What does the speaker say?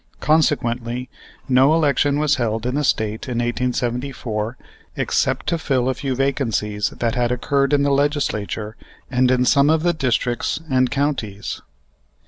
Consequently no election was held in the State in 1874 except to fill a few vacancies that had occurred in the Legislature and in some of the districts and counties.